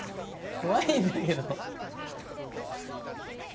怖いんだけど。